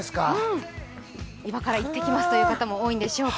今から行ってきますという方も多いのでしょうか。